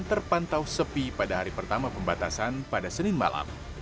terpantau sepi pada hari pertama pembatasan pada senin malam